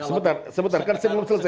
sebentar sebentar kan saya belum selesai